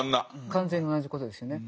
完全に同じことですよね。